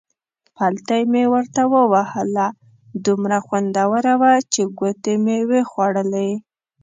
پلتۍ مې ورته ووهله، دومره خوندوره وه چې ګوتې مې وې خوړلې.